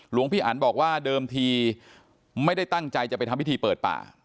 หลวงพี่อันบอกว่าเดิมทีไม่ได้ตั้งใจจะไปทำพิธีเปิดป่า